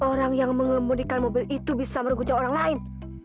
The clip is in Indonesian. orang yang mengemburikan mobil itu bisa merugikan orang lain